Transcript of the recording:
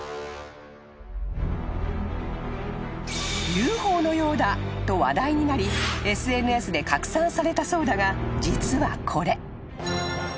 ［ＵＦＯのようだと話題になりＳＮＳで拡散されたそうだが実はこれ］